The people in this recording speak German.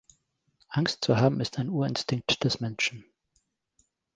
Angst zu haben ist ein Urinstinkt des Menschen.